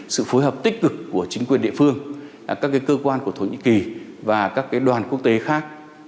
sự phối hợp tích cực của chính quyền địa phương các cơ quan của thổ nhĩ kỳ và các đoàn quốc tế khác